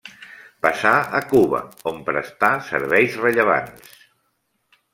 Passà a Cuba, on prestà serveis rellevants.